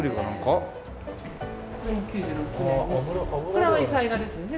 これは油彩画ですね。